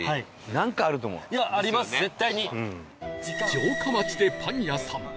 城下町でパン屋さん